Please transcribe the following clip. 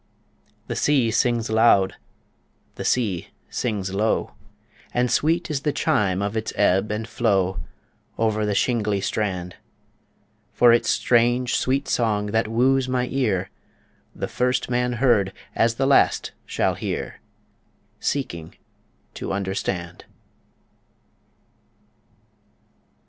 The sea sings loud, the sea sings low, And sweet is the chime of its ebb and flow Over the shingly strand; For its strange, sweet song that woos my ear The first man heard, as the last shall hear Seeking to understand